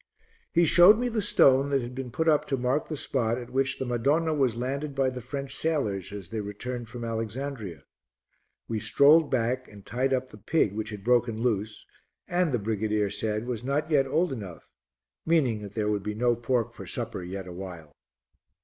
He showed me the stone that had been put up to mark the spot at which the Madonna was landed by the French sailors as they returned from Alexandria. We strolled back and tied up the pig which had broken loose and, the brigadier said, was not yet old enough, meaning that there would be no pork for supper yet awhile.